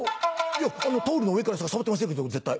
「いやタオルの上からしか触ってませんけど絶対」。